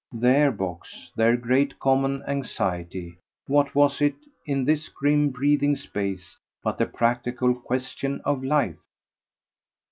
Their box, their great common anxiety, what was it, in this grim breathing space, but the practical question of life?